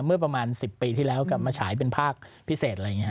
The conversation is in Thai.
เมื่อประมาณ๑๐ปีที่แล้วกลับมาฉายเป็นภาคพิเศษ